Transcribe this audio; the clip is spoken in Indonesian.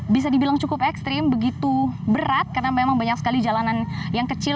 bisa dibilang cukup ekstrim begitu berat karena memang banyak sekali jalanan yang kecil